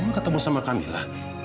kamu ketemu sama kamila